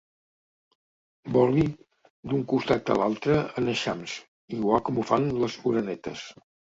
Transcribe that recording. Voli d'un costat a l'altre en eixams, igual com ho fan les orenetes.